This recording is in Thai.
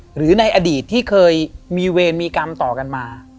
หรือในอดีตที่เคยมีเวรมีกรรมต่อกันมา